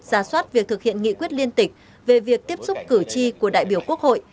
ra soát việc thực hiện nghị quyết liên tịch về việc tiếp xúc cử tri của đại biểu quốc hội